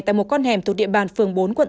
tại một con hẻm thuộc địa bàn phường bốn quận tám